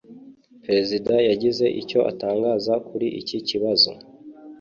Perezida yagize icyo atangaza kuri iki kibazo.